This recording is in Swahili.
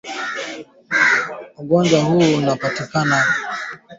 Ugonjwa huu unapatikana maeneo yote Tanzania